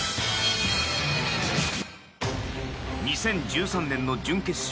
２０１３年の準決勝。